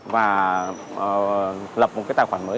và lập một cái tài khoản mới